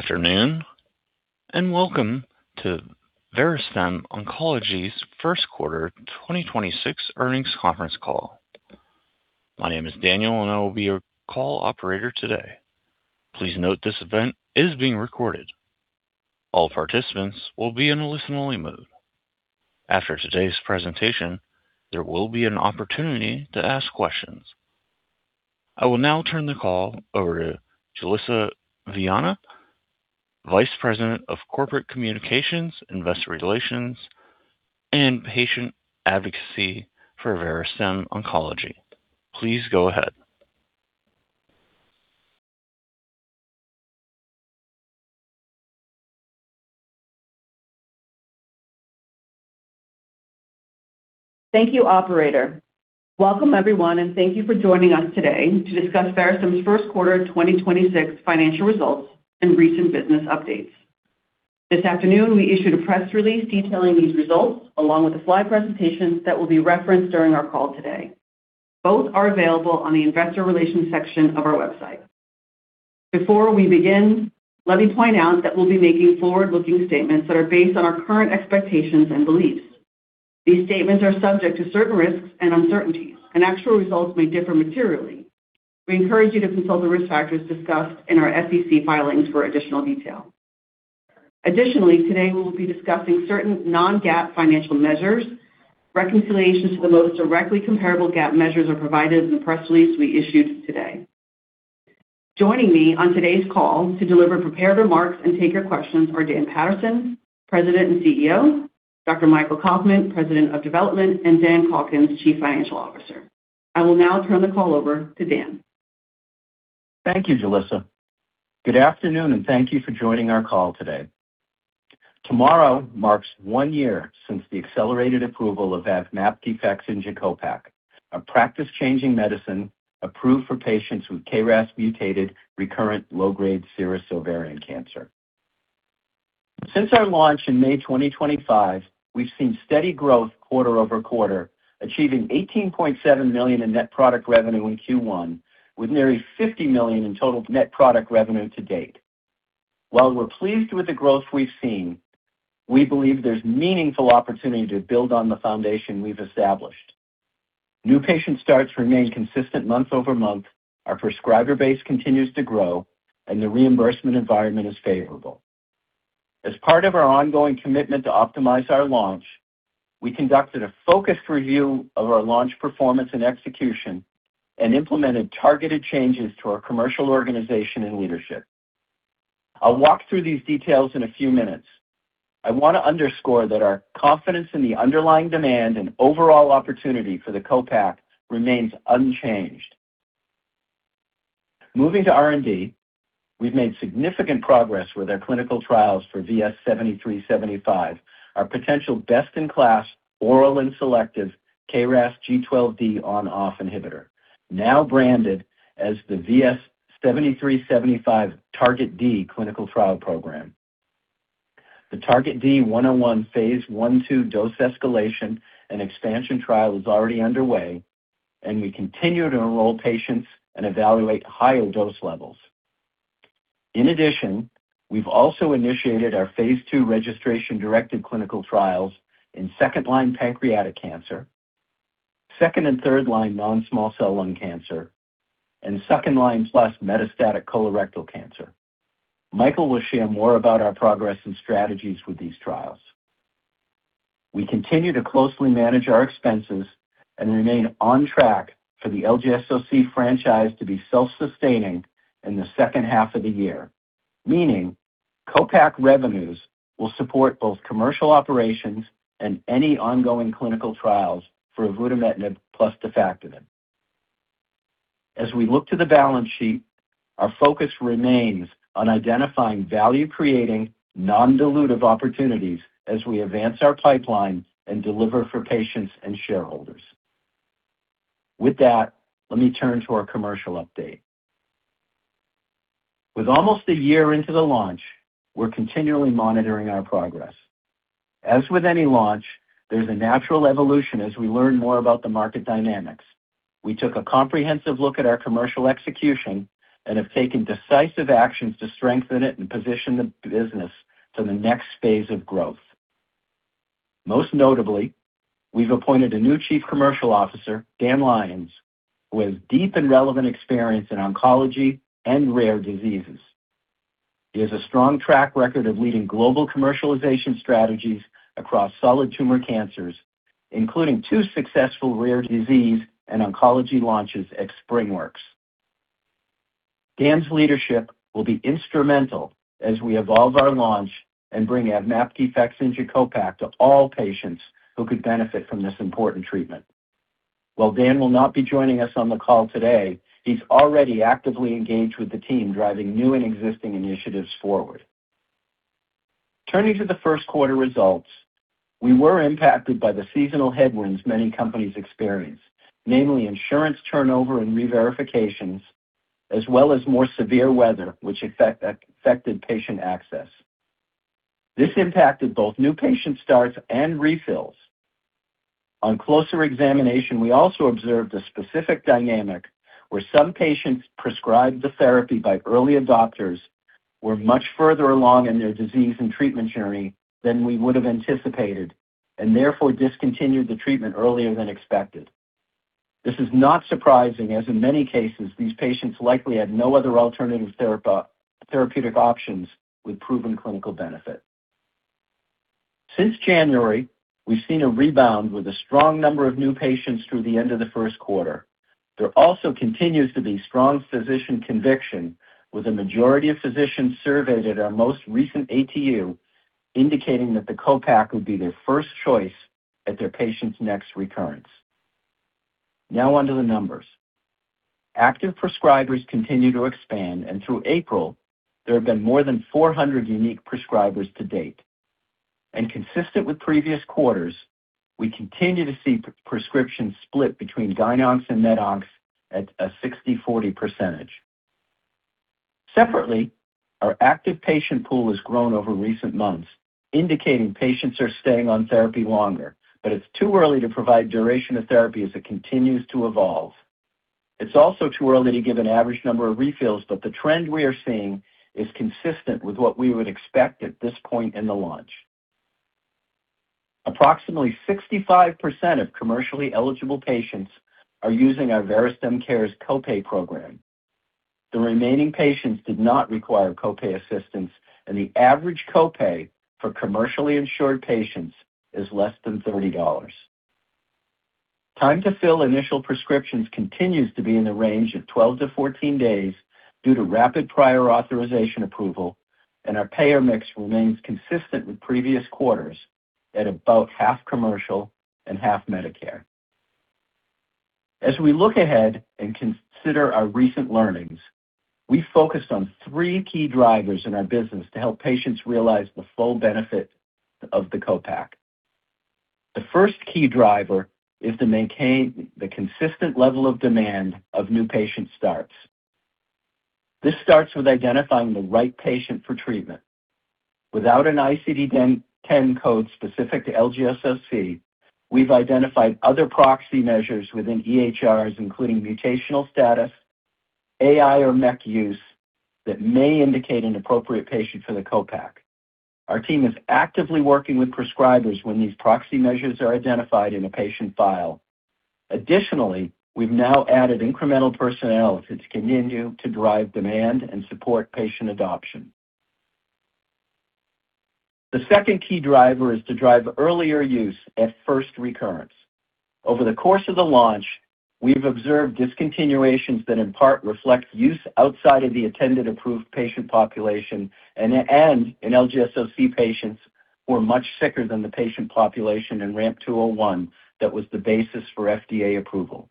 Good afternoon, and welcome to Verastem Oncology's first quarter 2026 earnings conference call. My name is Daniel, and I will be your call operator today. Please note this event is being recorded. All participants will be in a listen-only mode. After today's presentation, there will be an opportunity to ask questions. I will now turn the call over to Julissa Viana, Vice President of Corporate Communications, Investor Relations, and Patient Advocacy for Verastem Oncology. Please go ahead. Thank you, operator. Welcome, everyone, and thank you for joining us today to discuss Verastem's first quarter of 2026 financial results and recent business updates. This afternoon, we issued a press release detailing these results along with a slide presentation that will be referenced during our call today. Both are available on the investor relations section of our website. Before we begin, let me point out that we'll be making forward-looking statements that are based on our current expectations and beliefs. These statements are subject to certain risks and uncertainties, and actual results may differ materially. We encourage you to consult the risk factors discussed in our SEC filings for additional detail. Additionally, today we will be discussing certain non-GAAP financial measures. Reconciliations to the most directly comparable GAAP measures are provided in the press release we issued today. Joining me on today's call to deliver prepared remarks and take your questions are Dan Paterson, President and CEO, Dr. Michael Kauffman, President of Development, and Dan Calkins, Chief Financial Officer. I will now turn the call over to Dan. Thank you, Julissa. Good afternoon, and thank you for joining our call today. Tomorrow marks one year since the accelerated approval of AVMAPKI FAKZYNJA CO-PACK, a practice-changing medicine approved for patients with KRAS mutated recurrent low-grade serous ovarian cancer. Since our launch in May 2025, we've seen steady growth quarter-over-quarter, achieving $18.7 million in net product revenue in Q1, with nearly $50 million in total net product revenue to date. While we're pleased with the growth we've seen, we believe there's meaningful opportunity to build on the foundation we've established. New patient starts remain consistent month-over-month, our prescriber base continues to grow, and the reimbursement environment is favorable. As part of our ongoing commitment to optimize our launch, we conducted a focused review of our launch performance and execution and implemented targeted changes to our commercial organization and leadership. I'll walk through these details in a few minutes. I want to underscore that our confidence in the underlying demand and overall opportunity for the CO-PACK remains unchanged. Moving to R&D, we've made significant progress with our clinical trials for VS-7375, our potential best-in-class oral and selective KRAS G12D ON/OFF inhibitor, now branded as the VS-7375 TARGET-D clinical trial program. The TARGET-D 101 phase I/II dose escalation and expansion trial is already underway, we continue to enroll patients and evaluate higher dose levels. In addition, we've also initiated our phase II registration-directed clinical trials in second-line pancreatic cancer, second and third-line non-small cell lung cancer, and second-line plus metastatic colorectal cancer. Michael will share more about our progress and strategies with these trials. We continue to closely manage our expenses and remain on track for the LGSOC franchise to be self-sustaining in the second half of the year, meaning CO-PACK revenues will support both commercial operations and any ongoing clinical trials for avutometinib plus defactinib. As we look to the balance sheet, our focus remains on identifying value-creating, non-dilutive opportunities as we advance our pipeline and deliver for patients and shareholders. With that, let me turn to our commercial update. With almost a year into the launch, we're continually monitoring our progress. As with any launch, there's a natural evolution as we learn more about the market dynamics. We took a comprehensive look at our commercial execution and have taken decisive actions to strengthen it and position the business to the next phase of growth. Most notably, we've appointed a new Chief Commercial Officer, Dan Lyons, who has deep and relevant experience in oncology and rare diseases. He has a strong track record of leading global commercialization strategies across solid tumor cancers, including two successful rare disease and oncology launches at SpringWorks. Dan's leadership will be instrumental as we evolve our launch and bring AVMAPKI FAKZYNJA CO-PACK to all patients who could benefit from this important treatment. While Dan will not be joining us on the call today, he's already actively engaged with the team driving new and existing initiatives forward. Turning to the first quarter results, we were impacted by the seasonal headwinds many companies experience, namely insurance turnover and re-verifications, as well as more severe weather, which affected patient access. This impacted both new patient starts and refills. On closer examination, we also observed a specific dynamic where some patients prescribed the therapy by earlier doctors were much further along in their disease and treatment journey than we would have anticipated, and therefore discontinued the treatment earlier than expected. This is not surprising, as in many cases, these patients likely had no other alternative therapeutic options with proven clinical benefit. Since January, we've seen a rebound with a strong number of new patients through the end of the first quarter. There also continues to be strong physician conviction, with a majority of physicians surveyed at our most recent ATU indicating that the CO-PACK would be their first choice at their patient's next recurrence. Now onto the numbers. Active prescribers continue to expand, and through April, there have been more than 400 unique prescribers to date. Consistent with previous quarters, we continue to see prescriptions split between GYN ONCs and MED ONCs at a 60/40%. Separately, our active patient pool has grown over recent months, indicating patients are staying on therapy longer, but it's too early to provide duration of therapy as it continues to evolve. It's also too early to give an average number of refills, but the trend we are seeing is consistent with what we would expect at this point in the launch. Approximately 65% of commercially eligible patients are using our Verastem Cares copay program. The remaining patients did not require copay assistance, and the average copay for commercially insured patients is less than $30. Time to fill initial prescriptions continues to be in the range of 12-14 days due to rapid prior authorization approval, and our payer mix remains consistent with previous quarters at about half commercial and half Medicare. As we look ahead and consider our recent learnings, we focused on three key drivers in our business to help patients realize the full benefit of the CO-PACK. The first key driver is to maintain the consistent level of demand of new patient starts. This starts with identifying the right patient for treatment. Without an ICD-10 code specific to LGSOC, we've identified other proxy measures within EHRs, including mutational status, AI or MEK use that may indicate an appropriate patient for the CO-PACK. Our team is actively working with prescribers when these proxy measures are identified in a patient file. Additionally, we've now added incremental personnel to continue to drive demand and support patient adoption. The second key driver is to drive earlier use at first recurrence. Over the course of the launch, we've observed discontinuations that in part reflect use outside of the intended approved patient population and in LGSOC patients who are much sicker than the patient population in RAMP 201 that was the basis for FDA approval.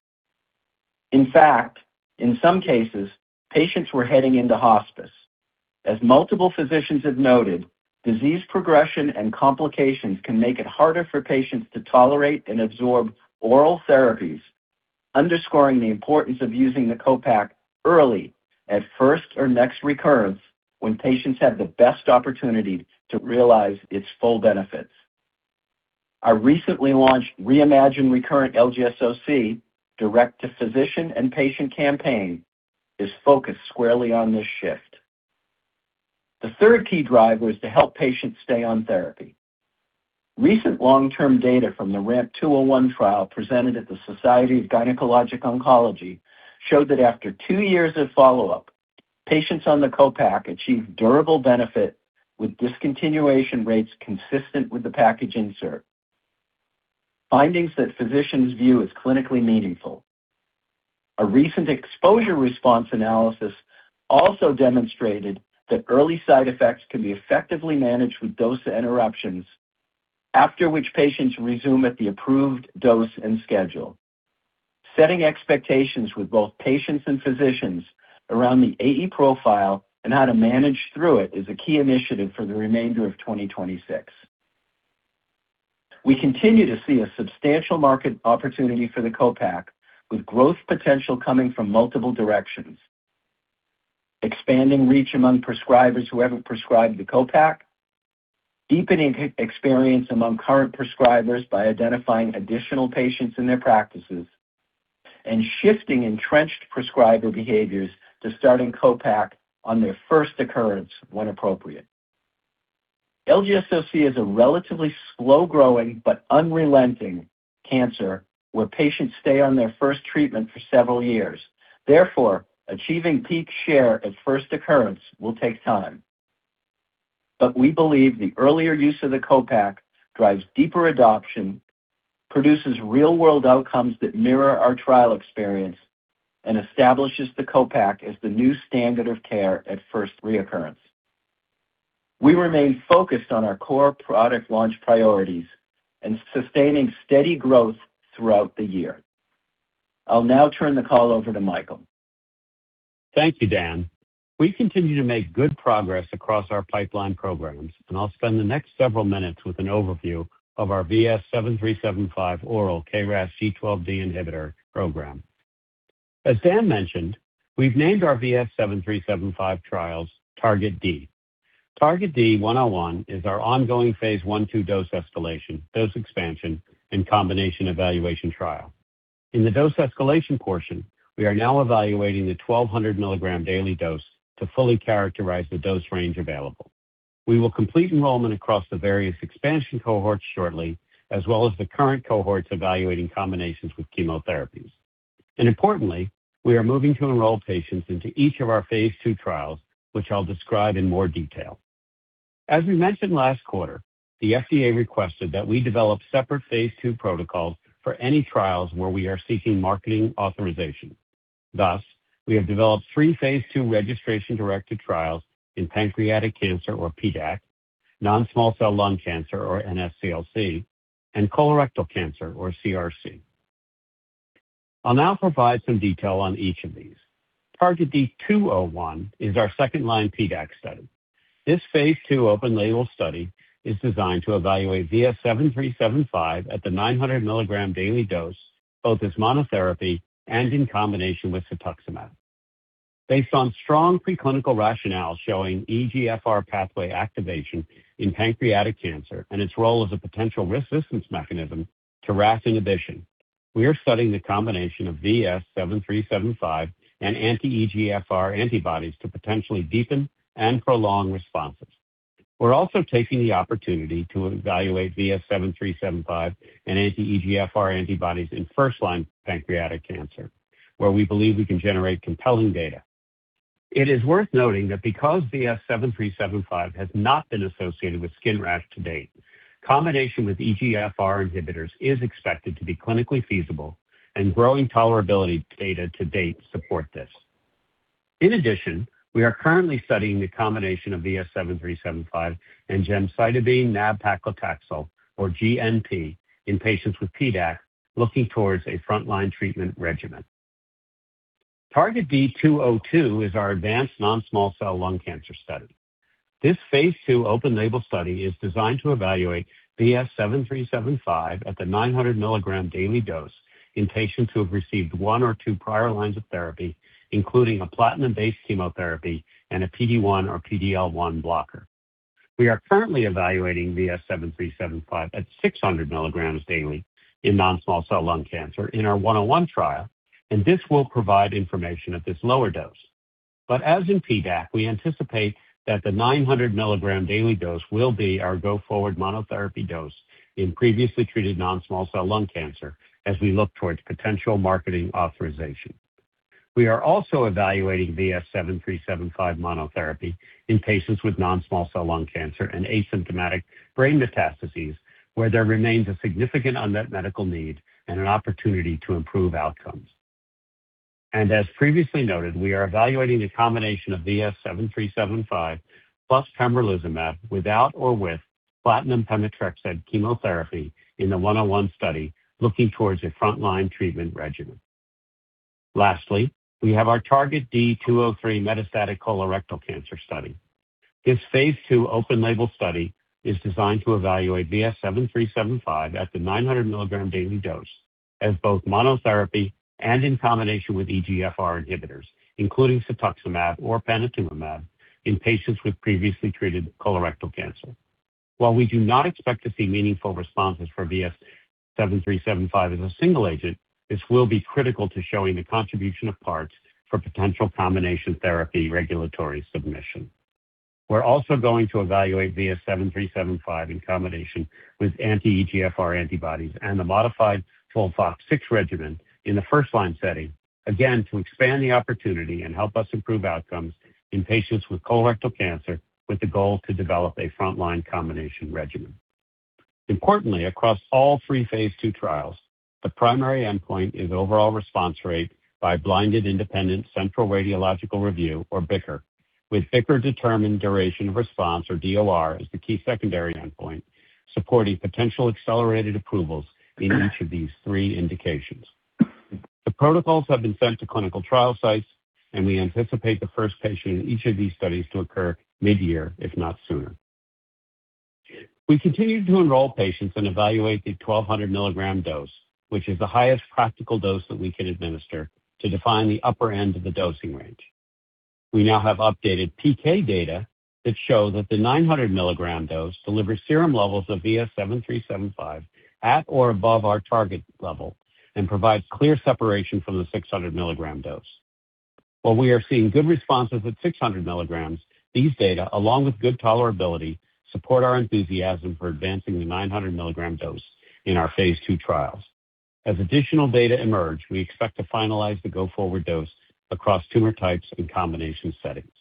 In fact, in some cases, patients were heading into hospice. As multiple physicians have noted, disease progression and complications can make it harder for patients to tolerate and absorb oral therapies, underscoring the importance of using the CO-PACK early at first or next recurrence when patients have the best opportunity to realize its full benefits. Our recently launched Reimagine Recurrent LGSOC direct-to-physician and patient campaign is focused squarely on this shift. The third key driver is to help patients stay on therapy. Recent long-term data from the RAMP 201 trial presented at the Society of Gynecologic Oncology showed that after two years of follow-up, patients on the CO-PACK achieved durable benefit with discontinuation rates consistent with the package insert, findings that physicians view as clinically meaningful. A recent exposure response analysis also demonstrated that early side effects can be effectively managed with dose interruptions, after which patients resume at the approved dose and schedule. Setting expectations with both patients and physicians around the AE profile and how to manage through it is a key initiative for the remainder of 2026. We continue to see a substantial market opportunity for the CO-PACK, with growth potential coming from multiple directions. Expanding reach among prescribers who haven't prescribed the CO-PACK, deepening experience among current prescribers by identifying additional patients in their practices, and shifting entrenched prescriber behaviors to starting CO-PACK on their first recurrence when appropriate. LGSOC is a relatively slow-growing but unrelenting cancer where patients stay on their first treatment for several years. Therefore, achieving peak share at first recurrence will take time. We believe the earlier use of the CO-PACK drives deeper adoption, produces real-world outcomes that mirror our trial experience, and establishes the CO-PACK as the new standard of care at first recurrence. We remain focused on our core product launch priorities and sustaining steady growth throughout the year. I'll now turn the call over to Michael. Thank you, Dan. We continue to make good progress across our pipeline programs, and I'll spend the next several minutes with an overview of our VS-7375 oral KRAS G12D inhibitor program. As Dan mentioned, we've named our VS-7375 trials TARGET-D. TARGET-D 101 is our ongoing phase I/II dose escalation, dose expansion, and combination evaluation trial. In the dose escalation portion, we are now evaluating the 1,200 mg daily dose to fully characterize the dose range available. We will complete enrollment across the various expansion cohorts shortly, as well as the current cohorts evaluating combinations with chemotherapies. Importantly, we are moving to enroll patients into each of our phase II trials, which I'll describe in more detail. As we mentioned last quarter, the FDA requested that we develop separate phase II protocols for any trials where we are seeking marketing authorization. Thus, we have developed three phase II registration-directed trials in pancreatic cancer, or PDAC, non-small cell lung cancer, or NSCLC, and colorectal cancer, or CRC. I'll now provide some detail on each of these. TARGET-D 201 is our second-line PDAC study. This phase II open label study is designed to evaluate VS-7375 at the 900 mg daily dose, both as monotherapy and in combination with cetuximab. Based on strong preclinical rationale showing EGFR pathway activation in pancreatic cancer and its role as a potential resistance mechanism to RAS inhibition, we are studying the combination of VS-7375 and anti-EGFR antibodies to potentially deepen and prolong responses. We're also taking the opportunity to evaluate VS-7375 and anti-EGFR antibodies in first-line pancreatic cancer, where we believe we can generate compelling data. It is worth noting that because VS-7375 has not been associated with skin rash to date, combination with EGFR inhibitors is expected to be clinically feasible and growing tolerability data to date support this. In addition, we are currently studying the combination of VS-7375 and gemcitabine nab-paclitaxel, or GNP, in patients with PDAC looking towards a frontline treatment regimen. TARGET-D 202 is our advanced non-small cell lung cancer study. This phase II open label study is designed to evaluate VS-7375 at the 900 mg daily dose in patients who have received one or two prior lines of therapy, including a platinum-based chemotherapy and a PD-1 or PD-L1 blocker. We are currently evaluating VS-7375 at 600 mg daily in non-small cell lung cancer in our 101 trial. This will provide information at this lower dose. As in PDAC, we anticipate that the 900 mg daily dose will be our go forward monotherapy dose in previously treated non-small cell lung cancer as we look towards potential marketing authorization. We are also evaluating VS-7375 monotherapy in patients with non-small cell lung cancer and asymptomatic brain metastases, where there remains a significant unmet medical need and an opportunity to improve outcomes. As previously noted, we are evaluating the combination of VS-7375 plus pembrolizumab without or with platinum pemetrexed chemotherapy in the 101 study looking towards a frontline treatment regimen. Lastly, we have our TARGET-D 203 metastatic colorectal cancer study. This phase II open label study is designed to evaluate VS-7375 at the 900 mg daily dose as both monotherapy and in combination with EGFR inhibitors, including cetuximab or panitumumab in patients with previously treated colorectal cancer. While we do not expect to see meaningful responses for VS-7375 as a single agent, this will be critical to showing the contribution of parts for potential combination therapy regulatory submission. We're also going to evaluate VS-7375 in combination with anti-EGFR antibodies and the modified FOLFOX6 regimen in the first-line setting, again to expand the opportunity and help us improve outcomes in patients with colorectal cancer with the goal to develop a frontline combination regimen. Importantly, across all three phase II trials, the primary endpoint is overall response rate by blinded independent central radiological review, or BICR, with BICR determined duration of response, or DOR, as the key secondary endpoint supporting potential accelerated approvals in each of these three indications. We anticipate the first patient in each of these studies to occur mid-year, if not sooner. We continue to enroll patients and evaluate the 1,200 mg dose, which is the highest practical dose that we can administer to define the upper end of the dosing range. We now have updated PK data that show that the 900 mg dose delivers serum levels of VS-7375 at or above our target level and provides clear separation from the 600 mg dose. While we are seeing good responses at 600 mg, these data, along with good tolerability, support our enthusiasm for advancing the 900 mg dose in our phase II trials. As additional data emerge, we expect to finalize the go forward dose across tumor types and combination settings.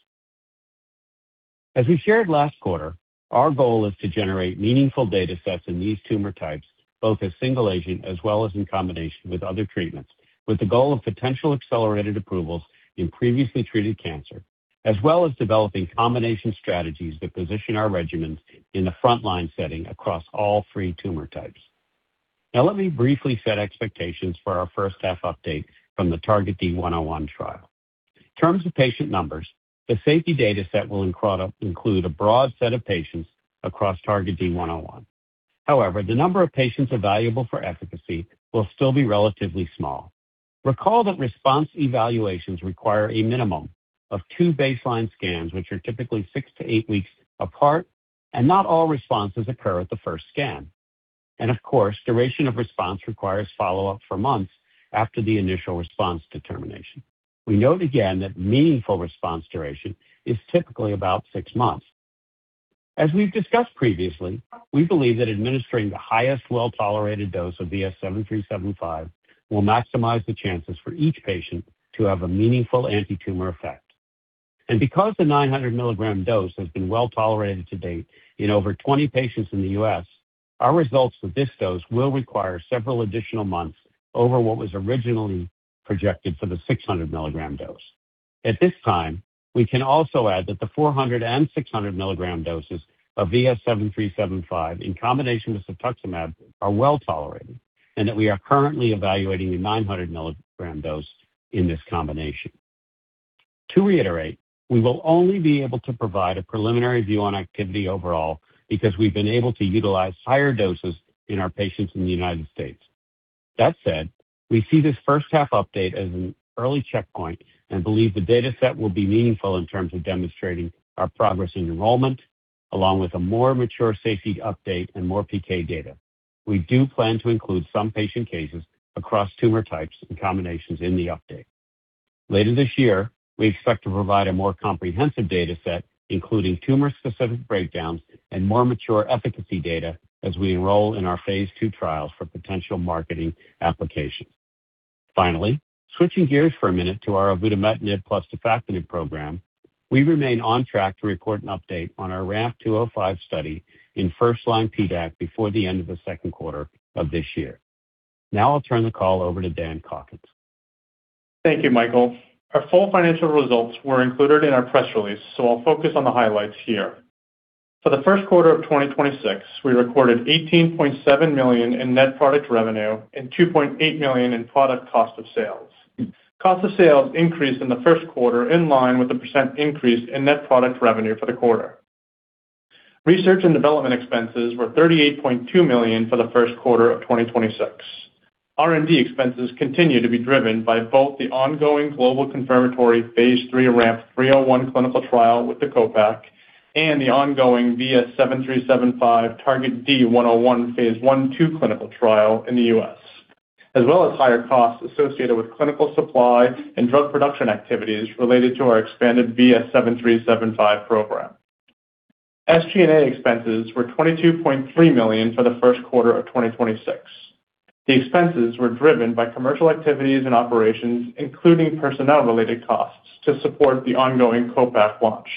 As we shared last quarter, our goal is to generate meaningful data sets in these tumor types, both as single agent as well as in combination with other treatments, with the goal of potential accelerated approvals in previously treated cancer, as well as developing combination strategies that position our regimens in the frontline setting across all three tumor types. Let me briefly set expectations for our first half update from the TARGET-D 101 trial. In terms of patient numbers, the safety data set will include a broad set of patients across TARGET-D 101. However, the number of patients available for efficacy will still be relatively small. Recall that response evaluations require a minimum of two baseline scans, which are typically six to eight weeks apart, and not all responses occur at the first scan. Of course, duration of response requires follow-up for months after the initial response determination. We note again that meaningful response duration is typically about six months. As we've discussed previously, we believe that administering the highest well-tolerated dose of VS-7375 will maximize the chances for each patient to have a meaningful antitumor effect. Because the 900 mg dose has been well tolerated to date in over 20 patients in the U.S., our results with this dose will require several additional months over what was originally projected for the 600 mg dose. At this time, we can also add that the 400 mg and 600 mg doses of VS-7375 in combination with cetuximab are well tolerated and that we are currently evaluating the 900 mg dose in this combination. To reiterate, we will only be able to provide a preliminary view on activity overall because we've been able to utilize higher doses in our patients in the United States. That said, we see this first half update as an early checkpoint and believe the data set will be meaningful in terms of demonstrating our progress in enrollment, along with a more mature safety update and more PK data. We do plan to include some patient cases across tumor types and combinations in the update. Later this year, we expect to provide a more comprehensive data set, including tumor-specific breakdowns and more mature efficacy data as we enroll in our phase II trials for potential marketing applications. Finally, switching gears for a minute to our avutometinib plus defactinib program, we remain on track to report an update on our RAMP 205 study in first-line PDAC before the end of the second quarter of this year. Now I'll turn the call over to Dan Calkins. Thank you, Michael. Our full financial results were included in our press release, so I'll focus on the highlights here. For the first quarter of 2026, we recorded $18.7 million in net product revenue and $2.8 million in product cost of sales. Cost of sales increased in the first quarter in line with the percent increase in net product revenue for the quarter. Research and development expenses were $38.2 million for the first quarter of 2026. R&D expenses continue to be driven by both the ongoing global confirmatory phase III RAMP 301 clinical trial with the CO-PACK and the ongoing VS-7375 TARGET-D 101 phase I-II clinical trial in the U.S., as well as higher costs associated with clinical supply and drug production activities related to our expanded VS-7375 program. SG&A expenses were $22.3 million for the first quarter of 2026. The expenses were driven by commercial activities and operations, including personnel-related costs, to support the ongoing CO-PACK launch.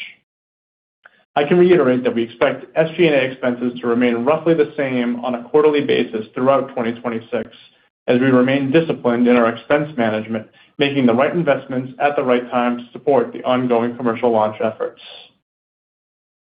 I can reiterate that we expect SG&A expenses to remain roughly the same on a quarterly basis throughout 2026 as we remain disciplined in our expense management, making the right investments at the right time to support the ongoing commercial launch efforts.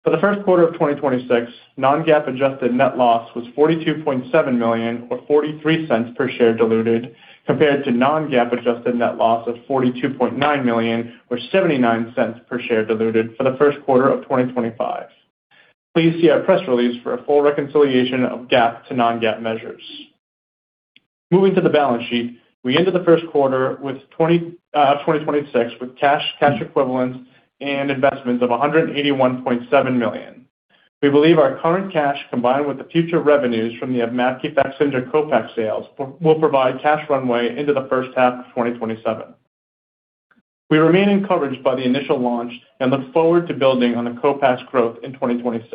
For the first quarter of 2026, non-GAAP adjusted net loss was $42.7 million or $0.43 per share diluted compared to non-GAAP adjusted net loss of $42.9 million or $0.79 per share diluted for the first quarter of 2025. Please see our press release for a full reconciliation of GAAP to non-GAAP measures. Moving to the balance sheet, we ended the first quarter with 2026 with cash equivalents, and investments of $181.7 million. We believe our current cash, combined with the future revenues from the AVMAPKI FAKZYNJA CO-PACK sales will provide cash runway into the first half of 2027. We remain encouraged by the initial launch and look forward to building on the CO-PACK's growth in 2026.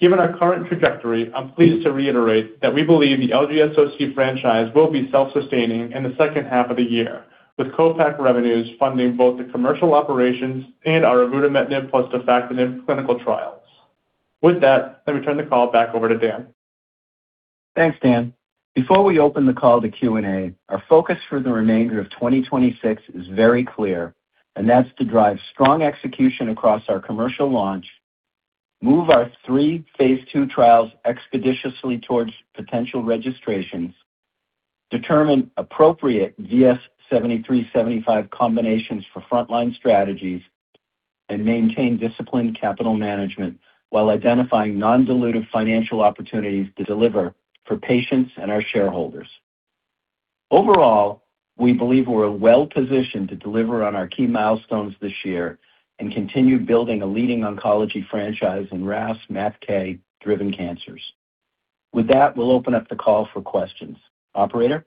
Given our current trajectory, I'm pleased to reiterate that we believe the LGSOC franchise will be self-sustaining in the second half of the year, with CO-PACK revenues funding both the commercial operations and our avutometinib plus defactinib clinical trials. With that, let me turn the call back over to Dan. Thanks, Dan. Before we open the call to Q&A, our focus for the remainder of 2026 is very clear, and that's to drive strong execution across our commercial launch, move our three phase II trials expeditiously towards potential registrations, determine appropriate VS-7375 combinations for frontline strategies, and maintain disciplined capital management while identifying non-dilutive financial opportunities to deliver for patients and our shareholders. Overall, we believe we're well-positioned to deliver on our key milestones this year and continue building a leading oncology franchise in RAS/MAPK-driven cancers. With that, we'll open up the call for questions. Operator?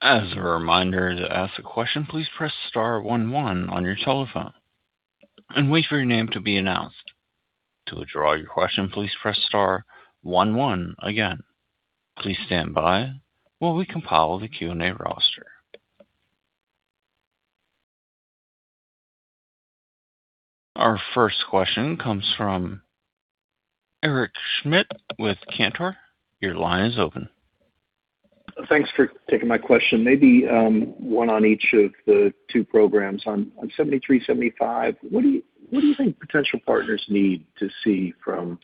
As a reminder, to ask a question, press star one one on your telephone and wait for your name to be announced. To withdraw your question, please press star one one again. Please standby while we compile the Q&A roster. Our first question comes from Eric Schmidt with Cantor. Your line is open. Thanks for taking my question. Maybe, one on each of the two programs. On VS-7375, what do you think potential partners need to see from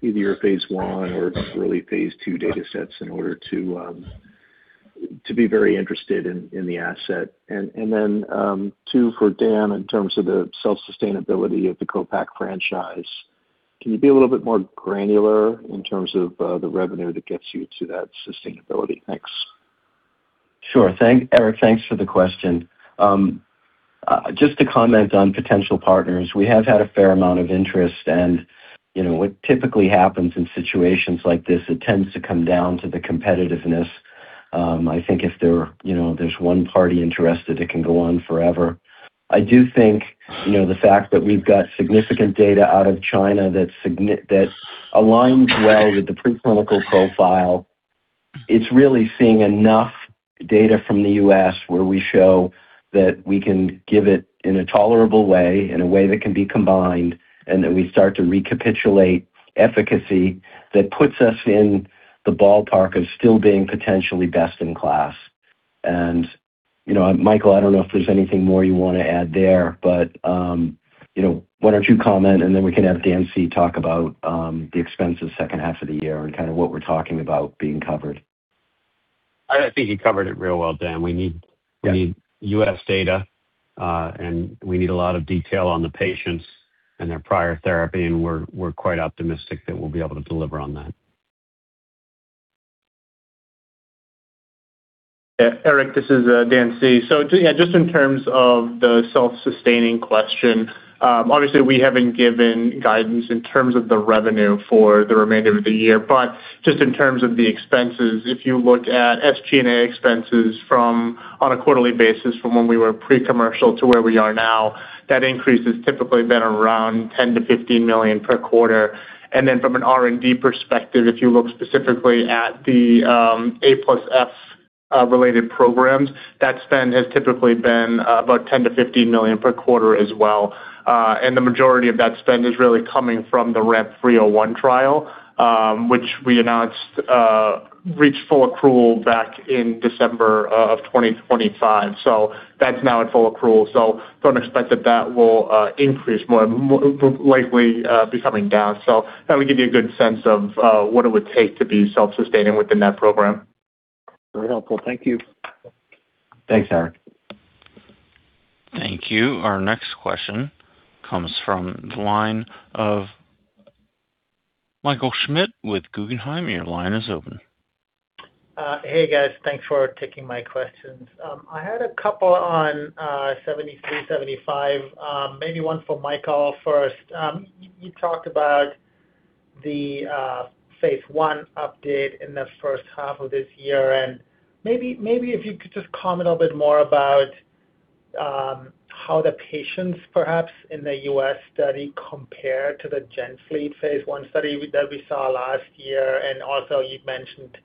either your phase I or really phase II data sets in order to be very interested in the asset. Then, two for Dan in terms of the self-sustainability of the copay franchise. Can you be a little bit more granular in terms of the revenue that gets you to that sustainability? Thanks. Sure. Eric, thanks for the question. Just to comment on potential partners, we have had a fair amount of interest and, you know, what typically happens in situations like this, it tends to come down to the competitiveness. I think if there, you know, there's one party interested, it can go on forever. I do think, you know, the fact that we've got significant data out of China that aligns well with the preclinical profile, it's really seeing enough data from the U.S. where we show that we can give it in a tolerable way, in a way that can be combined, and that we start to recapitulate efficacy. That puts us in the ballpark of still being potentially best in class. You know, Michael, I don't know if there's anything more you wanna add there, but, you know, why don't you comment, and then we can have Dan C. talk about the expense of second half of the year and kinda what we're talking about being covered. I think you covered it real well, Dan. Yeah. We need U.S. data, and we need a lot of detail on the patients and their prior therapy, and we're quite optimistic that we'll be able to deliver on that. Yeah, Eric, this is Dan C. Just in terms of the self-sustaining question, obviously, we haven't given guidance in terms of the revenue for the remainder of the year. Just in terms of the expenses, if you looked at SG&A expenses from, on a quarterly basis from when we were pre-commercial to where we are now, that increase has typically been around $10 million-$15 million per quarter. From an R&D perspective, if you look specifically at the A+F related programs, that spend has typically been about $10 million-$15 million per quarter as well. The majority of that spend is really coming from the RAMP 301 trial, which we announced reached full accrual back in December of 2025. That's now in full accrual, so don't expect that that will increase more, likely be coming down. That would give you a good sense of what it would take to be self-sustaining within that program. Very helpful. Thank you. Thanks, Eric. Thank you. Our next question comes from the line of Michael Schmidt with Guggenheim. Your line is open. Hey, guys. Thanks for taking my questions. I had a couple on VS-7375, maybe one for Michael first. You talked about the phase I update in the first half of this year, maybe if you could just comment a little bit more about how the patients perhaps in the U.S. study compare to the GenFleet phase I study that we saw last year. Also you'd mentioned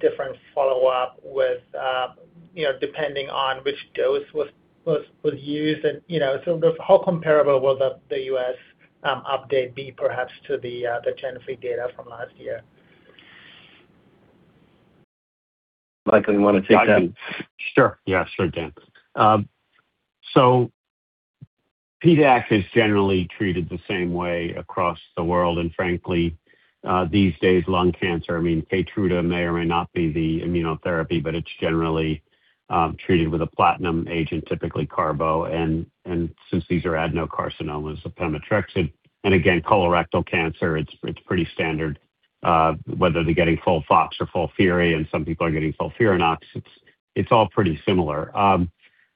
different follow-up with, you know, depending on which dose was used and, you know. How comparable will the U.S. update be perhaps to the GenFleet data from last year? Michael, you wanna take that? I can. Sure. Yeah, sure, Dan. PDAC is generally treated the same way across the world, and frankly, these days, lung cancer, I mean, KEYTRUDA may or may not be the immunotherapy, but it's generally treated with a platinum agent, typically carbo. And since these are adenocarcinomas, pemetrexed. Again, colorectal cancer, it's pretty standard whether they're getting FOLFOX or FOLFIRI, and some people are getting FOLFIRINOX. It's all pretty similar.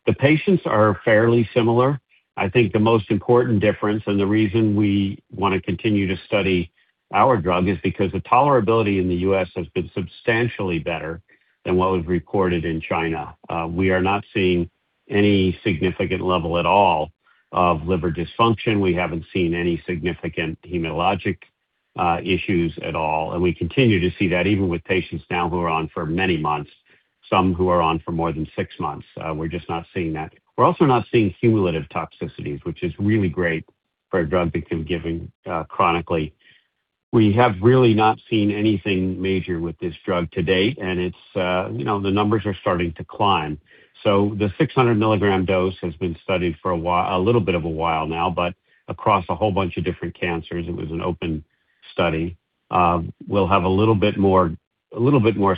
The patients are fairly similar. I think the most important difference, and the reason we wanna continue to study our drug, is because the tolerability in the U.S. has been substantially better than what was reported in China. We are not seeing any significant level at all of liver dysfunction. We haven't seen any significant hematologic issues at all, and we continue to see that even with patients now who are on for many months, some who are on for more than six months. We're just not seeing that. We're also not seeing cumulative toxicities, which is really great for a drug because giving chronically. We have really not seen anything major with this drug to date, and it's, you know, the numbers are starting to climb. The 600 mg dose has been studied for a little bit of a while now, but across a whole bunch of different cancers. It was an open study. We'll have a little bit more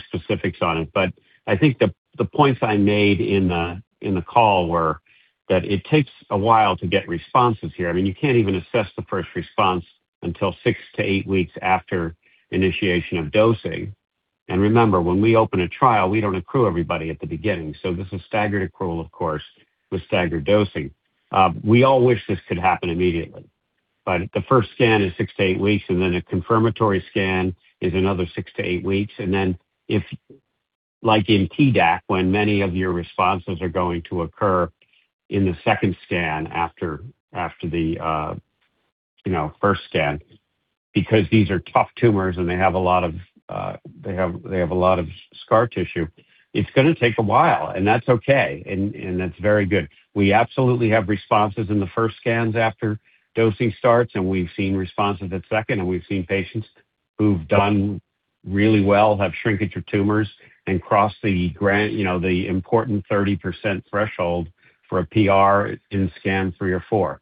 specifics on it. I think the points I made in the call were that it takes a while to get responses here. I mean, you can't even assess the first response until six to eight weeks after initiation of dosing. Remember, when we open a trial, we don't accrue everybody at the beginning. This is staggered accrual, of course, with staggered dosing. We all wish this could happen immediately, but the first scan is six to eight weeks, and then a confirmatory scan is another six to eight weeks. If, like in PDAC, when many of your responses are going to occur in the second scan after the, you know, first scan, because these are tough tumors and they have a lot of scar tissue, it's gonna take a while, and that's okay. That's very good. We absolutely have responses in the first scans after dosing starts. We've seen responses at second. We've seen patients who've done really well, have shrinkage of tumors and crossed the you know, the important 30% threshold for a PR in scan three or four.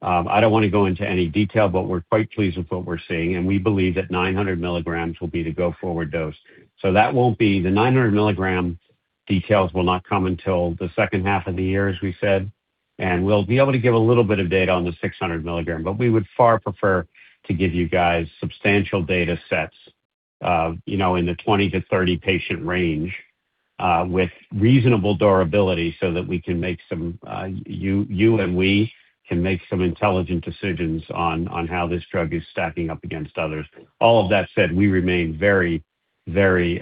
I don't wanna go into any detail, but we're quite pleased with what we're seeing, and we believe that 900 mg will be the go forward dose. That won't be the 900 mg details will not come until the second half of the year, as we said, and we'll be able to give a little bit of data on the 600 mg. We would far prefer to give you guys substantial data sets, you know, in the 20-30 patient range, with reasonable durability so that we can make some, you and we can make some intelligent decisions on how this drug is stacking up against others. All of that said, we remain very, very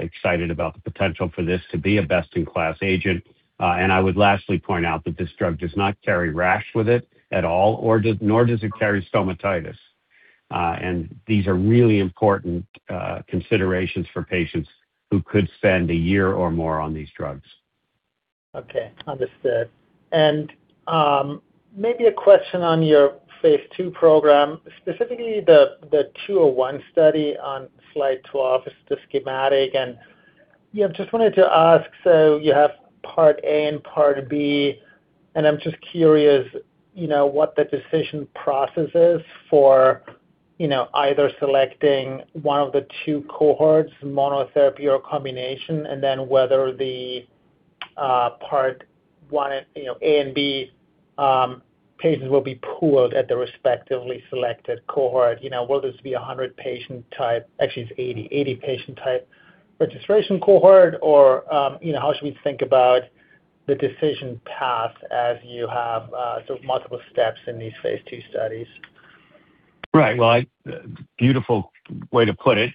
excited about the potential for this to be a best in class agent. I would lastly point out that this drug does not carry rash with it at all, or nor does it carry stomatitis. These are really important considerations for patients who could spend 1 year or more on these drugs. Okay, understood. Maybe a question on your phase II program, specifically the 201 study on slide 12 is the schematic. Yeah, just wanted to ask, so you have Part A and Part B, and I'm just curious, you know, what the decision process is for, you know, either selecting one of the two cohorts, monotherapy or combination, and then whether the Part 1 and, you know, A and B cases will be pooled at the respectively selected cohort. You know, will this be a 100-patient type, actually it's an 80-patient type registration cohort or, you know, how should we think about the decision path as you have so multiple steps in these phase II studies? Right. Well, beautiful way to put it,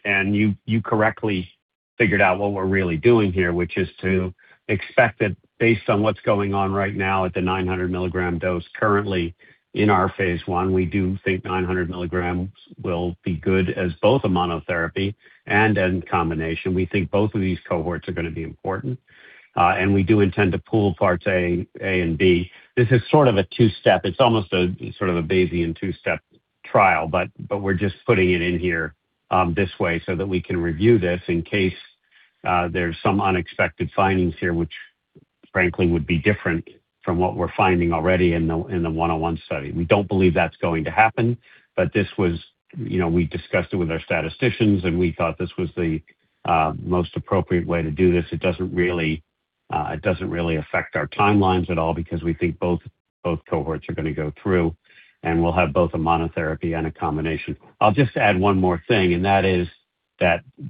you correctly figured out what we're really doing here, which is to expect that based on what's going on right now at the 900 mg dose currently in our phase I, we do think 900 mg will be good as both a monotherapy and in combination. We think both of these cohorts are going to be important, we do intend to pool parts A and B. This is sort of a two-step. It's almost a sort of a Bayesian two-step trial, but we're just putting it in here this way so that we can review this in case there's some unexpected findings here, which frankly would be different from what we're finding already in the 101 study. We don't believe that's going to happen. You know, we discussed it with our statisticians, and we thought this was the most appropriate way to do this. It doesn't really affect our timelines at all because we think both cohorts are going to go through, and we'll have both a monotherapy and a combination. I'll just add one more thing.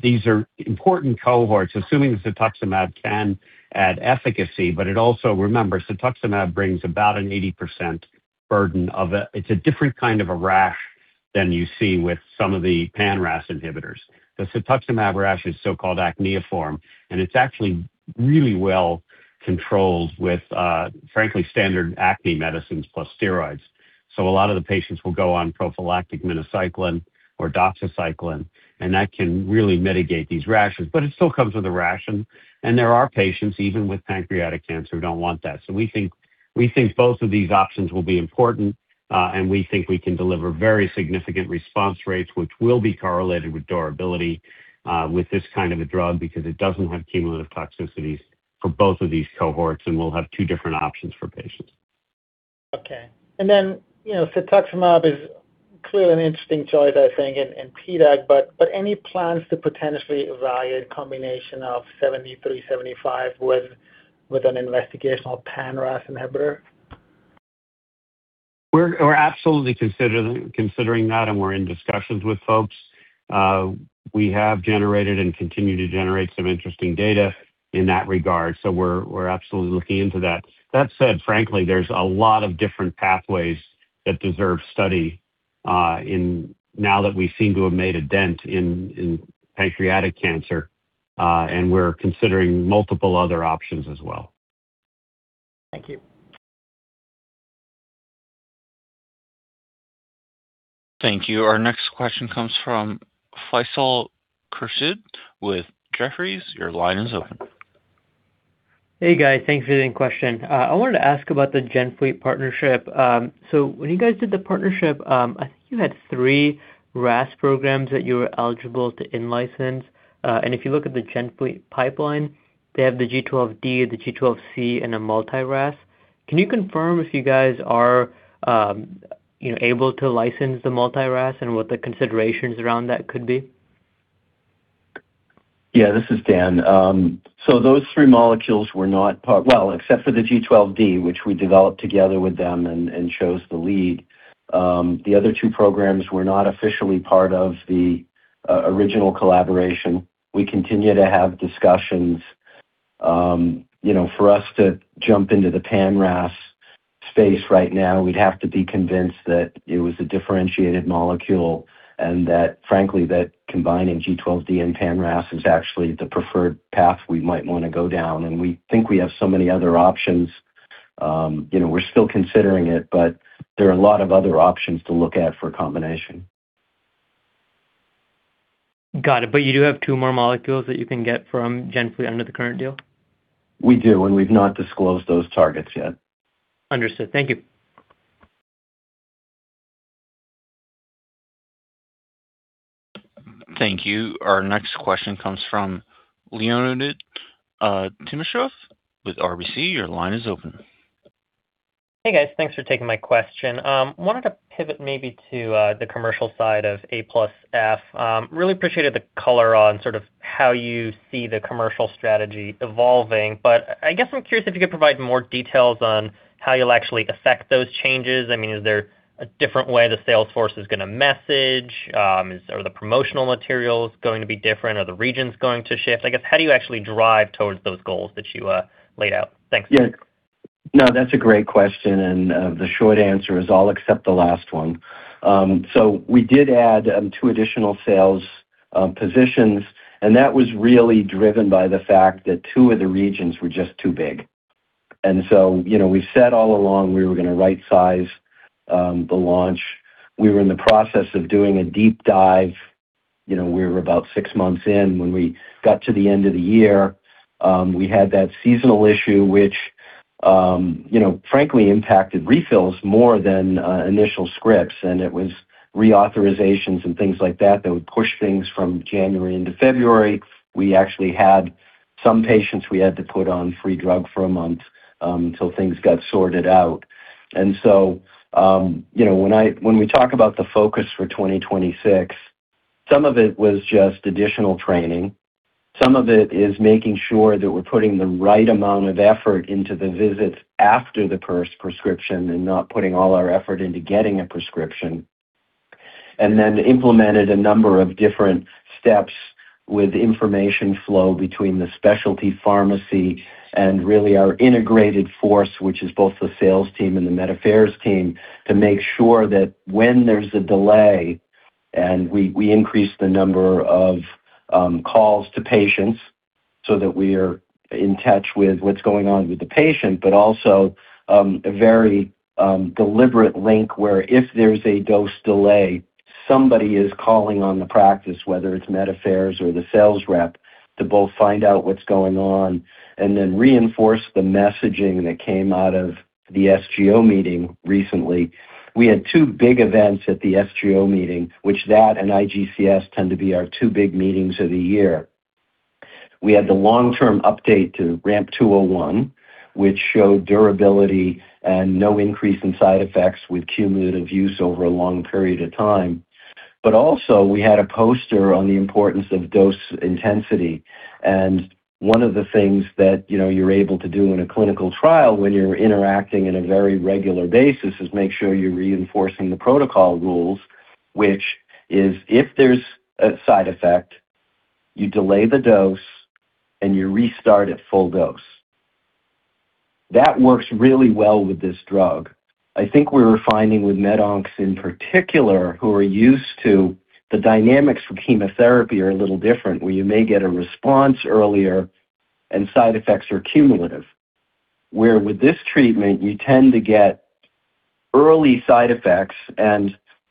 These are important cohorts, assuming cetuximab can add efficacy. It also Remember, cetuximab brings about an 80% burden of a different kind of a rash than you see with some of the pan-RAS inhibitors. The cetuximab rash is so-called acneiform, and it's actually really well controlled with, frankly, standard acne medicines plus steroids. A lot of the patients will go on prophylactic minocycline or doxycycline, and that can really mitigate these rashes. It still comes with a rash, and there are patients, even with pancreatic cancer, who don't want that. We think both of these options will be important, and we think we can deliver very significant response rates, which will be correlated with durability with this kind of a drug because it doesn't have cumulative toxicities for both of these cohorts, and we'll have two different options for patients. Okay. you know, cetuximab is clearly an interesting choice, I think, in PDAC, but any plans to potentially evaluate combination of seventy-three, seventy-five with an investigational pan RAS inhibitor? We're absolutely considering that. We're in discussions with folks. We have generated and continue to generate some interesting data in that regard. We're absolutely looking into that. That said, frankly, there's a lot of different pathways that deserve study, in now that we seem to have made a dent in pancreatic cancer, and we're considering multiple other options as well. Thank you. Thank you. Our next question comes from Faisal Khurshid with Jefferies. Your line is open. Hey, guys. Thanks for the question. I wanted to ask about the GenFleet partnership. When you guys did the partnership, I think you had three RAS programs that you were eligible to in-license. If you look at the GenFleet pipeline, they have the G12D, the G12C, and a multi-RAS. Can you confirm if you guys are, you know, able to license the multi-RAS and what the considerations around that could be? This is Dan. Those three molecules were not part. Well, except for the G12D, which we developed together with them and chose the lead, the other two programs were not officially part of the original collaboration. We continue to have discussions. You know, for us to jump into the pan-RAS space right now, we'd have to be convinced that it was a differentiated molecule and that, frankly, that combining G12D and pan-RAS is actually the preferred path we might wanna go down. We think we have so many other options. You know, we're still considering it, but there are a lot of other options to look at for a combination. Got it. You do have two more molecules that you can get from GenFleet under the current deal? We do, and we've not disclosed those targets yet. Understood. Thank you. Thank you. Our next question comes from Leonid Timashev with RBC. Your line is open. Hey, guys. Thanks for taking my question. Wanted to pivot maybe to the commercial side of A+F. Really appreciated the color on sort of how you see the commercial strategy evolving, but I guess I'm curious if you could provide more details on how you'll actually affect those changes. I mean, is there a different way the sales force is gonna message? Are the promotional materials going to be different? Are the regions going to shift? I guess, how do you actually drive towards those goals that you laid out? Thanks. Yeah. No, that's a great question. The short answer is all except the last one. We did add two additional sales positions, and that was really driven by the fact that two of the regions were just too big. You know, we said all along we were gonna rightsize the launch. We were in the process of doing a deep dive. You know, we were about six months in. When we got to the end of the year, we had that seasonal issue, which, you know, frankly impacted refills more than initial scripts, and it was reauthorizations and things like that that would push things from January into February. We actually had some patients we had to put on free drug for a month until things got sorted out. You know, when we talk about the focus for 2026, some of it was just additional training. Some of it is making sure that we're putting the right amount of effort into the visits after the first prescription and not putting all our effort into getting a prescription. Implemented a number of different steps with information flow between the specialty pharmacy and really our integrated force, which is both the sales team and the Med Affairs team, to make sure that when there's a delay, and we increase the number of calls to patients so that we are in touch with what's going on with the patient, but also a very deliberate link where if there's a dose delay, somebody is calling on the practice, whether it's Med Affairs or the sales rep, to both find out what's going on and then reinforce the messaging that came out of the SGO meeting recently. We had two big events at the SGO meeting, which that and IGCS tend to be our two big meetings of the year. We had the long-term update to RAMP 201, which showed durability and no increase in side effects with cumulative use over a long period of time. Also, we had a poster on the importance of dose intensity. One of the things that, you know, you're able to do in a clinical trial when you're interacting in a very regular basis is make sure you're reinforcing the protocol rules, which is if there's a side effect, you delay the dose, and you restart at full dose. That works really well with this drug. I think we're finding with MED ONCs in particular, who are used to the dynamics for chemotherapy are a little different, where you may get a response earlier and side effects are cumulative. With this treatment, you tend to get early side effects,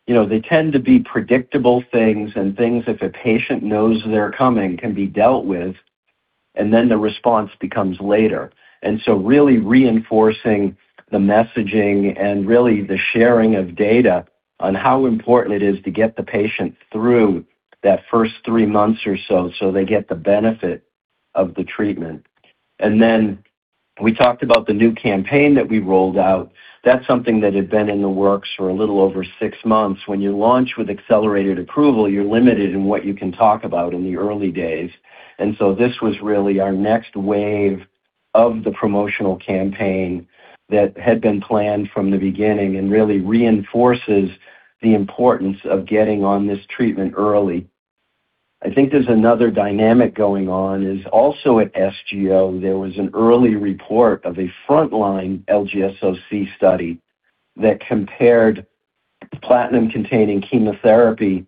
you know, they tend to be predictable things and things if a patient knows they're coming can be dealt with. The response becomes later. Really reinforcing the messaging and really the sharing of data on how important it is to get the patient through that first three months or so they get the benefit of the treatment. We talked about the new campaign that we rolled out. That's something that had been in the works for a little over six months. When you launch with accelerated approval, you're limited in what you can talk about in the early days. This was really our next wave of the promotional campaign that had been planned from the beginning and really reinforces the importance of getting on this treatment early. I think there's another dynamic going on is also at SGO, there was an early report of a frontline LGSOC study that compared platinum-containing chemotherapy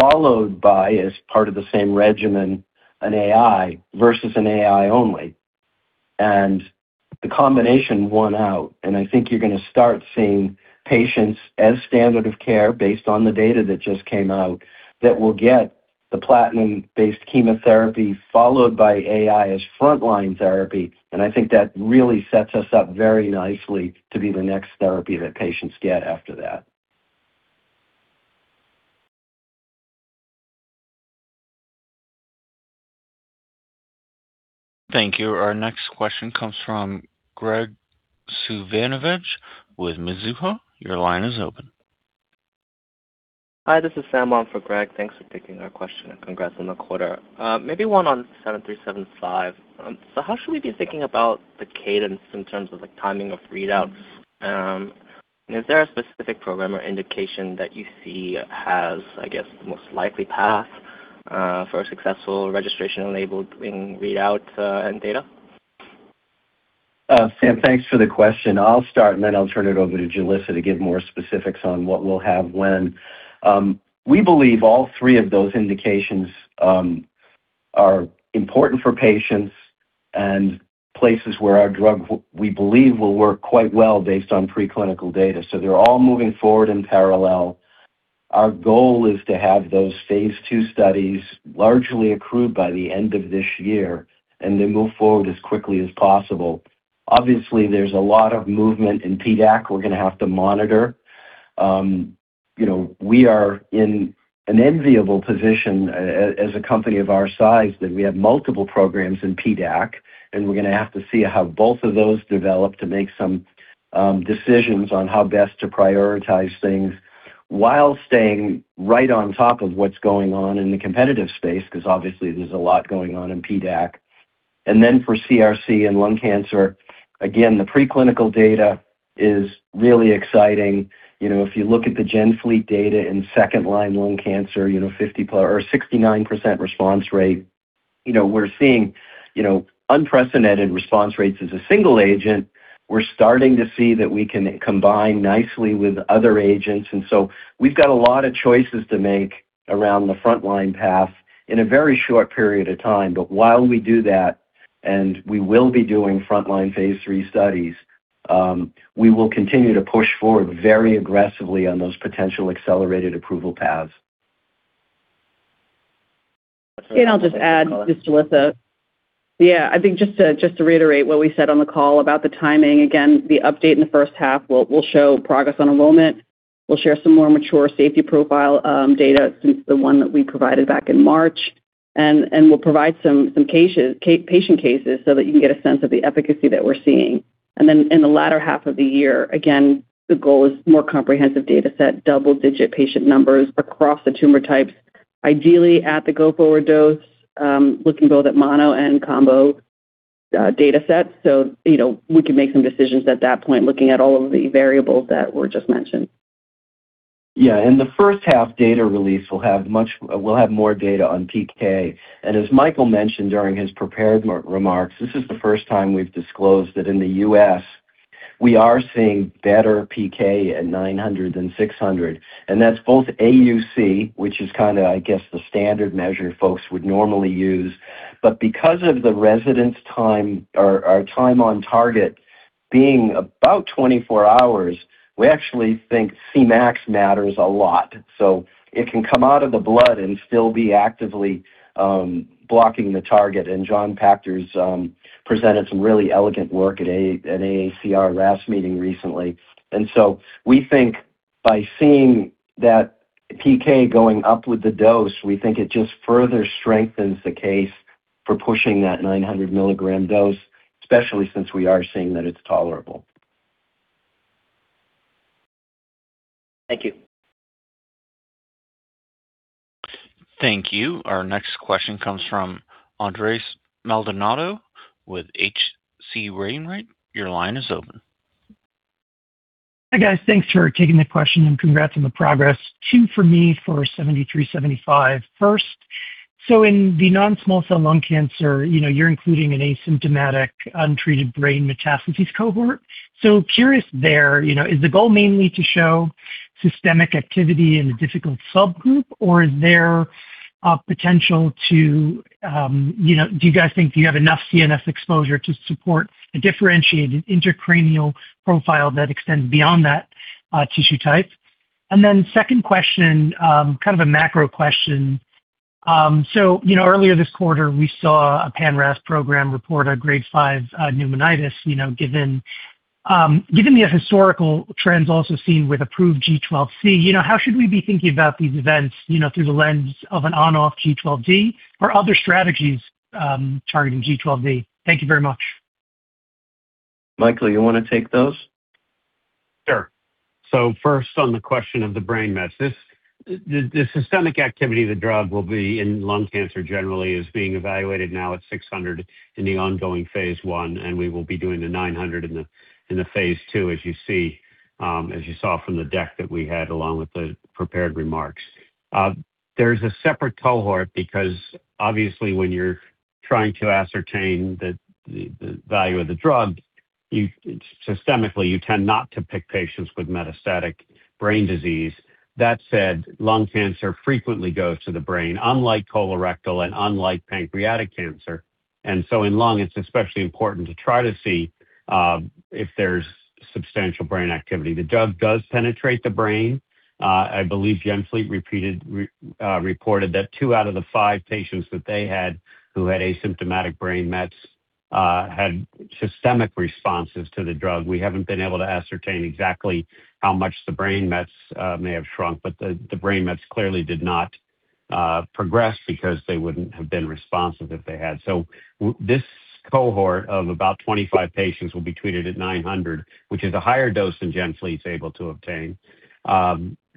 followed by, as part of the same regimen, an AI versus an AI only. The combination won out. I think you're gonna start seeing patients as standard of care based on the data that just came out that will get the platinum-based chemotherapy followed by AI as frontline therapy. I think that really sets us up very nicely to be the next therapy that patients get after that. Thank you. Our next question comes from Graig Suvannavejh with Mizuho. Your line is open. Hi. This is Sam on for Graig. Thanks for taking our question, and congrats on the quarter. Maybe one on VS-7375. How should we be thinking about the cadence in terms of, like, timing of readouts? Is there a specific program or indication that you see has, I guess, the most likely path for a successful registration-enabled readout and data? Sam, thanks for the question. I'll start, and then I'll turn it over to Julissa to give more specifics on what we'll have when. We believe all three of those indications are important for patients and places where our drug we believe will work quite well based on preclinical data. They're all moving forward in parallel. Our goal is to have those phase II studies largely accrued by the end of this year and then move forward as quickly as possible. Obviously, there's a lot of movement in PDAC we're going to have to monitor. You know, we are in an enviable position as a company of our size that we have multiple programs in PDAC, and we're gonna have to see how both of those develop to make some decisions on how best to prioritize things while staying right on top of what's going on in the competitive space 'cause obviously there's a lot going on in PDAC. For CRC and lung cancer, again, the preclinical data is really exciting. You know, if you look at the GenFleet data in second-line lung cancer, you know, 69% response rate, you know, we're seeing, you know, unprecedented response rates as a single agent. We're starting to see that we can combine nicely with other agents. We've got a lot of choices to make around the frontline path in a very short period of time. While we do that, and we will be doing frontline phase III studies, we will continue to push forward very aggressively on those potential accelerated approval paths. I'll just add, this is Julissa. Yeah. I think just to reiterate what we said on the call about the timing, again, the update in the first half will show progress on enrollment. We'll share some more mature safety profile data since the one that we provided back in March, and we'll provide some patient cases so that you can get a sense of the efficacy that we're seeing. Then in the latter half of the year, again, the goal is more comprehensive data set, double-digit patient numbers across the tumor types, ideally at the go-forward dose, looking both at mono and combo data sets. You know, we can make some decisions at that point, looking at all of the variables that were just mentioned. In the first half data release, we'll have more data on PK. As Michael mentioned during his prepared remarks, this is the first time we've disclosed that in the U.S., we are seeing better PK at 900 than 600, and that's both AUC, which is kind of, I guess, the standard measure folks would normally use. Because of the residence time or our time on target being about 24 hours, we actually think Cmax matters a lot. It can come out of the blood and still be actively blocking the target. Jon Pachter's presented some really elegant work at AACR last meeting recently. We think by seeing that PK going up with the dose, we think it just further strengthens the case for pushing that 900 mg dose, especially since we are seeing that it's tolerable. Thank you. Thank you. Our next question comes from Andres Maldonado with H.C. Wainwright. Your line is open. Hi, guys. Thanks for taking the question and congrats on the progress. Two for me for VS-7375. First, in the non-small cell lung cancer, you know, you're including an asymptomatic untreated brain metastases cohort. Curious there, you know, is the goal mainly to show systemic activity in a difficult subgroup, or is there a potential to, you know, do you guys think you have enough CNS exposure to support a differentiated intracranial profile that extends beyond that tissue type? Second question, kind of a macro question. You know, earlier this quarter, we saw a pan-RAS program report a grade 5 pneumonitis, you know, given the historical trends also seen with approved G12C, you know, how should we be thinking about these events, you know, through the lens of an ON/OFF G12D or other strategies targeting G12D? Thank you very much. Michael, you wanna take those? Sure. First, on the question of the brain mets, the systemic activity of the drug will be in lung cancer generally is being evaluated now at 600 in the ongoing phase I, we will be doing the 900 in the phase II, as you see, as you saw from the deck that we had along with the prepared remarks. There's a separate cohort because obviously when you're trying to ascertain the value of the drug, systemically, you tend not to pick patients with metastatic brain disease. That said, lung cancer frequently goes to the brain, unlike colorectal and unlike pancreatic cancer. In lung, it's especially important to try to see if there's substantial brain activity. The drug does penetrate the brain. I believe GenFleet reported that two out of the five patients that they had who had asymptomatic brain mets had systemic responses to the drug. We haven't been able to ascertain exactly how much the brain mets may have shrunk, but the brain mets clearly did not progress because they wouldn't have been responsive if they had. This cohort of about 25 patients will be treated at 900, which is a higher dose than GenFleet's able to obtain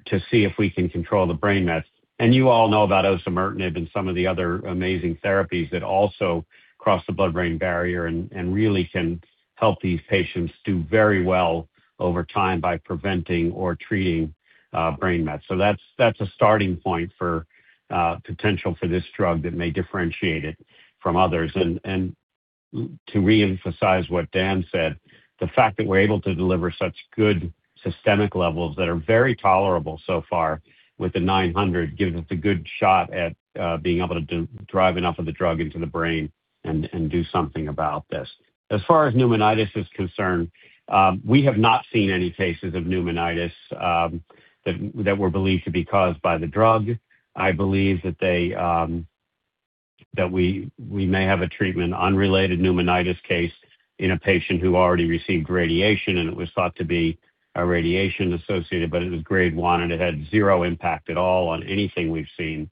to see if we can control the brain mets. You all know about osimertinib and some of the other amazing therapies that also cross the blood-brain barrier and really can help these patients do very well over time by preventing or treating brain mets. That's a starting point for potential for this drug that may differentiate it from others. To reemphasize what Dan said, the fact that we're able to deliver such good systemic levels that are very tolerable so far with the 900 gives us a good shot at being able to drive enough of the drug into the brain and do something about this. As far as pneumonitis is concerned, we have not seen any cases of pneumonitis that were believed to be caused by the drug. I believe that we may have a treatment-unrelated pneumonitis case in a patient who already received radiation, and it was thought to be radiation associated, but it was grade 1, and it had zero impact at all on anything we've seen.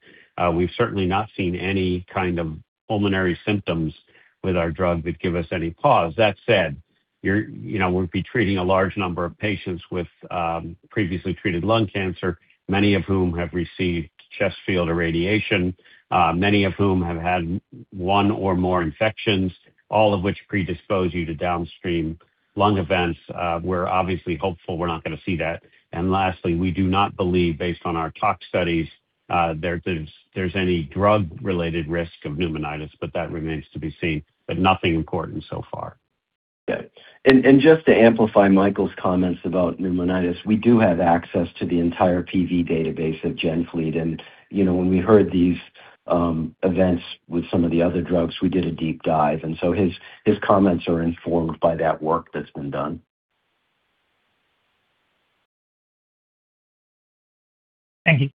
We've certainly not seen any kind of pulmonary symptoms with our drug that give us any pause. That said, You know, we'll be treating a large number of patients with previously treated lung cancer, many of whom have received chest field irradiation, many of whom have had one or more infections, all of which predispose you to downstream lung events. We're obviously hopeful we're not gonna see that. Lastly, we do not believe, based on our tox studies, there's any drug-related risk of pneumonitis, but that remains to be seen. Nothing important so far. Yeah. Just to amplify Michael's comments about pneumonitis, we do have access to the entire PV database at GenFleet. You know, when we heard these events with some of the other drugs, we did a deep dive. His comments are informed by that work that's been done. Thank you.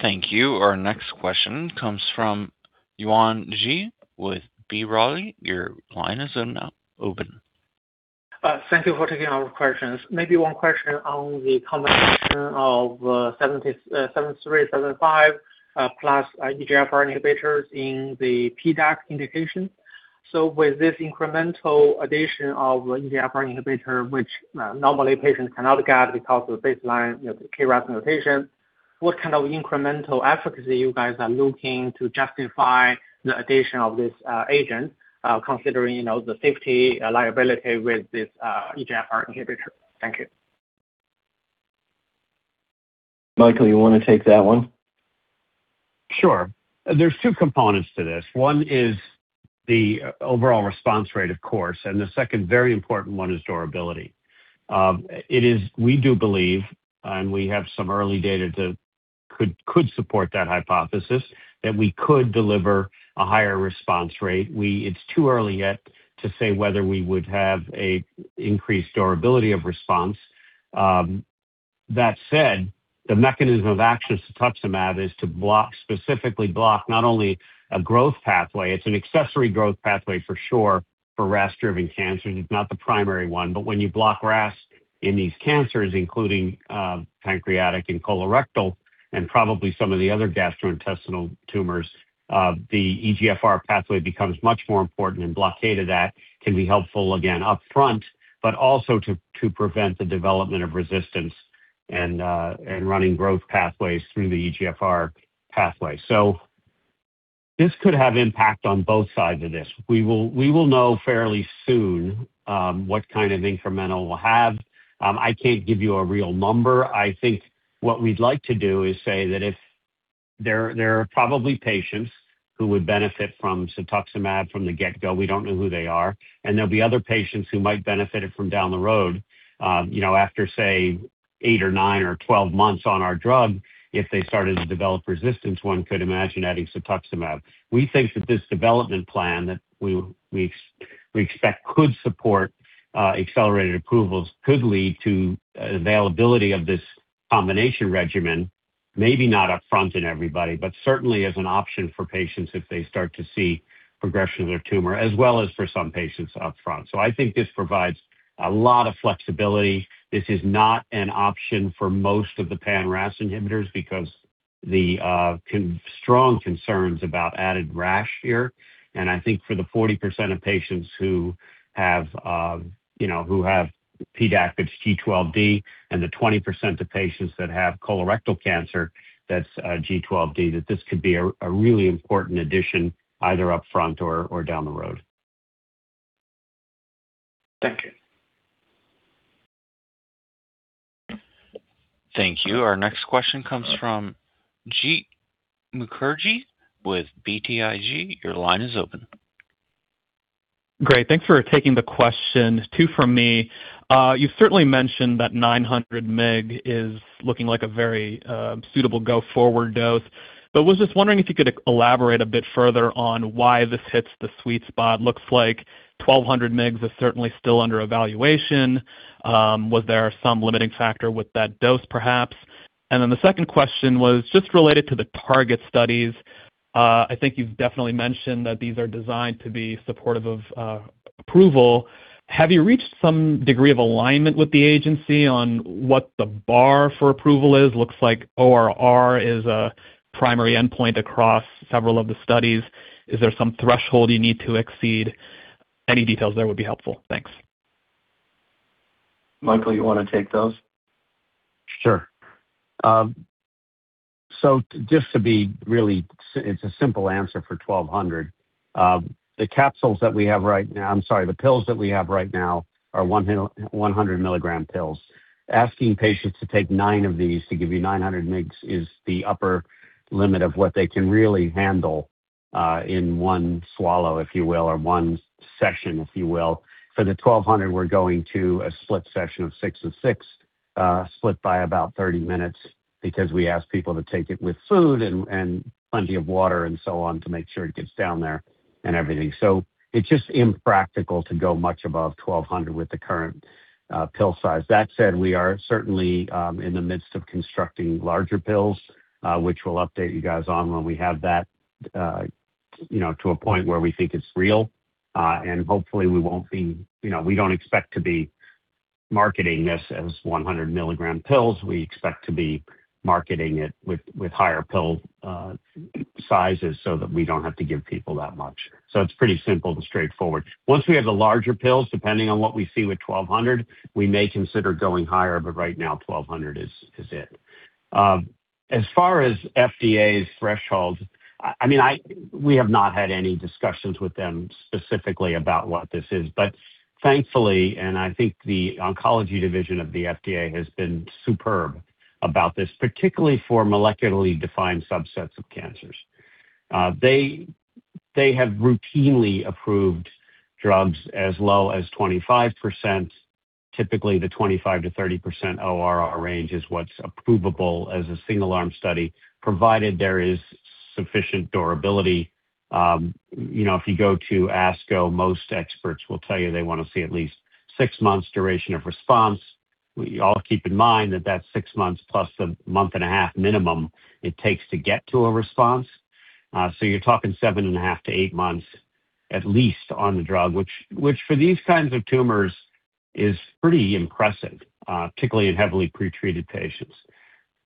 Thank you. Our next question comes from Yuan Zhi with B. Riley. Your line is now open. Thank you for taking our questions. Maybe one question on the combination of VS-7375 plus EGFR inhibitors in the PDAC indication. With this incremental addition of EGFR inhibitor, which normally patients cannot get because of baseline, you know, KRAS mutation, what kind of incremental efficacy you guys are looking to justify the addition of this agent, considering, you know, the safety liability with this EGFR inhibitor? Thank you. Michael, you wanna take that one? Sure. There's two components to this. One is the overall response rate, of course. The second very important one is durability. We do believe, and we have some early data that could support that hypothesis, that we could deliver a higher response rate. It's too early yet to say whether we would have a increased durability of response. That said, the mechanism of action cetuximab is to specifically block not only a growth pathway. It's an accessory growth pathway for sure for RAS-driven cancers. It's not the primary one. When you block RAS in these cancers, including pancreatic and colorectal and probably some of the other gastrointestinal tumors, the EGFR pathway becomes much more important, and blockade of that can be helpful, again, upfront, but also to prevent the development of resistance and running growth pathways through the EGFR pathway. This could have impact on both sides of this. We will know fairly soon what kind of incremental we'll have. I can't give you a real number. I think what we'd like to do is say that if there are probably patients who would benefit from cetuximab from the get-go. We don't know who they are. There'll be other patients who might benefit it from down the road, you know, after, say, eight or nine or 12 months on our drug. If they started to develop resistance, one could imagine adding cetuximab. We think that this development plan that we expect could support accelerated approvals could lead to availability of this combination regimen, maybe not upfront in everybody, but certainly as an option for patients if they start to see progression of their tumor, as well as for some patients upfront. I think this provides a lot of flexibility. This is not an option for most of the pan-RAS inhibitors because the strong concerns about added rash here. I think for the 40% of patients who have, you know, who have PDAC that's G12D and the 20% of patients that have colorectal cancer that's G12D, that this could be a really important addition either upfront or down the road. Thank you. Thank you. Our next question comes from Jeet Mukherjee with BTIG. Your line is open. Great. Thanks for taking the question. Two from me. You certainly mentioned that 900 mg is looking like a very suitable go forward dose. Was just wondering if you could elaborate a bit further on why this hits the sweet spot. Looks like 1,200 mg is certainly still under evaluation. Was there some limiting factor with that dose, perhaps? The second question was just related to the TARGET-D studies. I think you've definitely mentioned that these are designed to be supportive of approval. Have you reached some degree of alignment with the agency on what the bar for approval is? Looks like ORR is a primary endpoint across several of the studies. Is there some threshold you need to exceed? Any details there would be helpful. Thanks. Michael, you wanna take those? Sure. Just to be really It's a simple answer for 1,200. The pills that we have right now are 100 mg pills. Asking patients to take nine of these to give you 900 mg is the upper limit of what they can really handle, in one swallow, if you will, or one session, if you will. For the 1,200, we're going to a split session of six and six, split by about 30 minutes because we ask people to take it with food and plenty of water and so on to make sure it gets down there and everything. It's just impractical to go much above 1,200 with the current pill size. That said, we are certainly in the midst of constructing larger pills, which we'll update you guys on when we have that, you know, to a point where we think it's real. Hopefully we won't be You know, we don't expect to be marketing this as 100 mg pills. We expect to be marketing it with higher pill sizes so that we don't have to give people that much. It's pretty simple and straightforward. Once we have the larger pills, depending on what we see with 1,200, we may consider going higher, but right now 1,200 is it. As far as FDA's threshold, I mean, we have not had any discussions with them specifically about what this is. Thankfully, and I think the oncology division of the FDA has been superb about this, particularly for molecularly defined subsets of cancers. They have routinely approved drugs as low as 25%. Typically, the 25%-30% ORR range is what's approvable as a single arm study, provided there is sufficient durability. You know, if you go to ASCO, most experts will tell you they wanna see at least six months duration of response. We all keep in mind that that's six months plus a month and a half minimum it takes to get to a response. You're talking seven and a half to eight months at least on the drug which for these kinds of tumors is pretty impressive, particularly in heavily pretreated patients.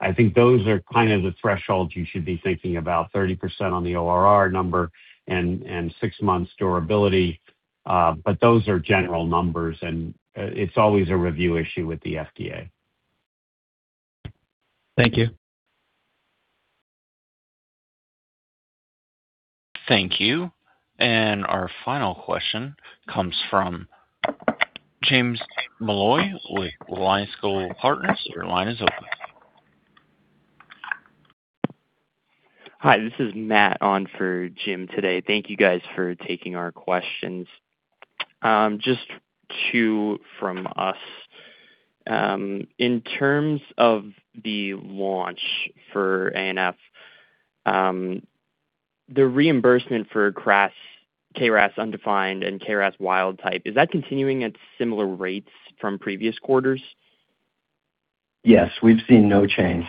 I think those are kind of the thresholds you should be thinking about, 30% on the ORR number and six months durability. Those are general numbers, and it's always a review issue with the FDA. Thank you. Thank you. Our final question comes from James Molloy with Alliance Global Partners. Your line is open. Hi, this is Matt on for Jim today. Thank you guys for taking our questions. Just two from us. In terms of the launch for A+F, the reimbursement for KRAS undefined and KRAS wild type, is that continuing at similar rates from previous quarters? Yes, we've seen no change.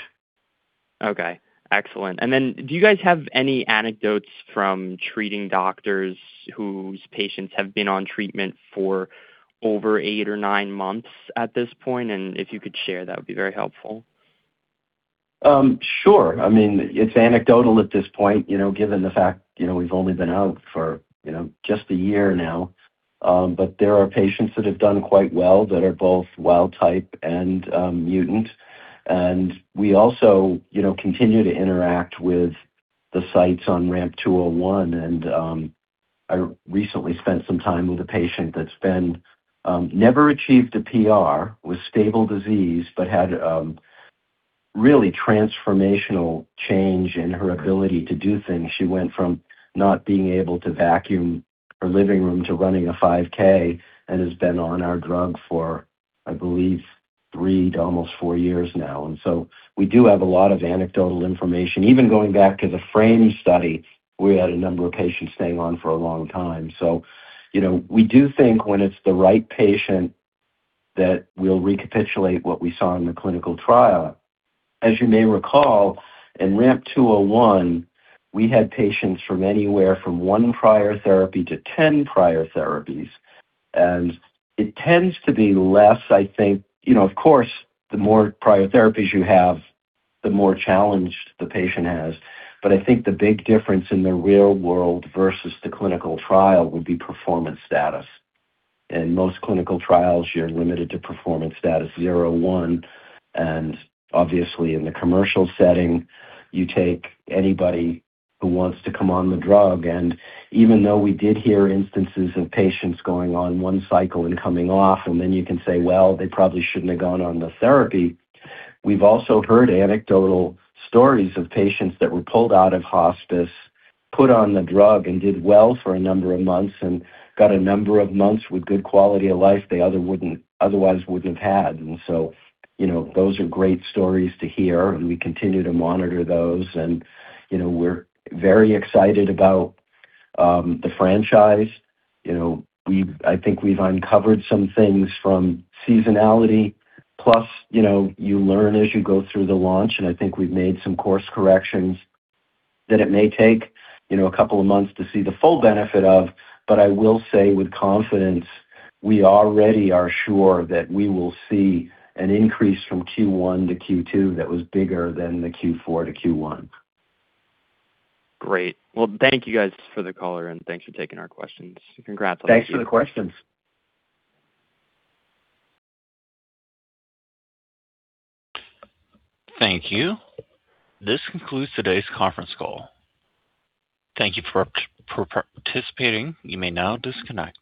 Okay, excellent. Do you guys have any anecdotes from treating doctors whose patients have been on treatment for over eight or nine months at this point? If you could share, that would be very helpful. Sure. I mean, it's anecdotal at this point, you know, given the fact, you know, we've only been out for, you know, just a year now. There are patients that have done quite well that are both wild type and mutant. We also, you know, continue to interact with the sites on RAMP 201. I recently spent some time with a patient that's been never achieved a PR with stable disease but had really transformational change in her ability to do things. She went from not being able to vacuum her living room to running a 5K and has been on our drug for, I believe, three to almost four years now. We do have a lot of anecdotal information. Even going back to the FRAME study, we had a number of patients staying on for a long time. You know, we do think when it's the right patient that we'll recapitulate what we saw in the clinical trial. As you may recall, in RAMP 201, we had patients from anywhere from one prior therapy to 10 prior therapies. It tends to be less, I think. You know, of course, the more prior therapies you have, the more challenged the patient has. I think the big difference in the real world versus the clinical trial would be performance status. In most clinical trials, you're limited to performance status 0-1, and obviously in the commercial setting, you take anybody who wants to come on the drug. Even though we did hear instances of patients going on one cycle and coming off, and then you can say, "Well, they probably shouldn't have gone on the therapy," we've also heard anecdotal stories of patients that were pulled out of hospice, put on the drug and did well for a number of months and got a number of months with good quality of life they otherwise wouldn't have had. You know, those are great stories to hear, and we continue to monitor those. You know, we're very excited about the franchise. You know, I think we've uncovered some things from seasonality. Plus, you know, you learn as you go through the launch, and I think we've made some course corrections that it may take, you know, a couple of months to see the full benefit of—but I will say with confidence, we already are sure that we will see an increase from Q1 to Q2 that was bigger than the Q4 to Q1. Great. Well, thank you guys for the color, and thanks for taking our questions. Congratulations. Thanks for the questions. Thank you. This concludes today's conference call. Thank you for participating. You may now disconnect.